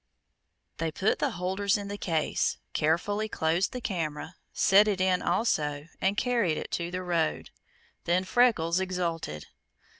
They put the holders in the case, carefully closed the camera, set it in also, and carried it to the road. Then Freckles exulted.